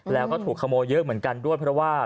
แล้วก็ถูกขโมยเยอะเหมือนกันด้วยเพราะว่า